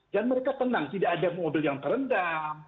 dan mereka tenang tidak ada mobil yang terendam